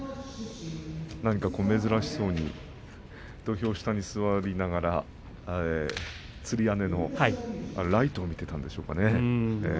なんか珍しそうに土俵下に座りながらつり屋根のライトを見ていたんでしょうかね。